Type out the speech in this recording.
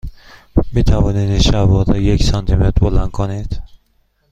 می توانید این شلوار را یک سانتی متر بلند کنید؟